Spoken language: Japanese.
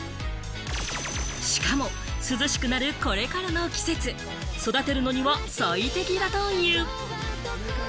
しかも、涼しくなるこれからの季節、育てるのには最適だという。